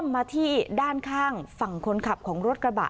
มาที่ด้านข้างฝั่งคนขับของรถกระบะ